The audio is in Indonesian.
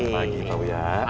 selamat pagi pak wuyam